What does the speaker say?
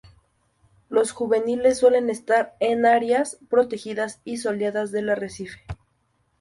Los juveniles suelen estar en áreas protegidas y soleadas del arrecife.